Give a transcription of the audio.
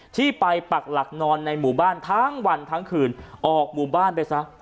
ที่ไปปักหลักนอนในหมู่บ้านทั้งวันทั้งคืนออกหมู่บ้านไปซะ